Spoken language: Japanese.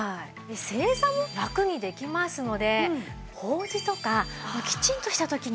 正座もラクにできますので法事とかきちんとした時にも重宝なんです。